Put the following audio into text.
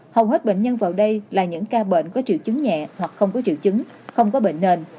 hầu hết bệnh nhân vào đây là những ca bệnh có triệu chứng nhẹ hoặc không có triệu chứng không có bệnh nền